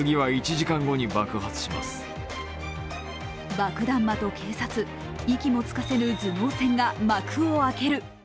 爆弾魔と警察、息もつかせぬ頭脳戦が幕を開ける。